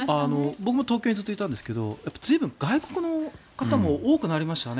僕も東京にずっといたんですけど随分、外国の方も多くなりましたよね。